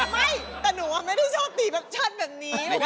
ไม่แต่หนูไม่ได้ชอบตีแบบชั่นแบบนี้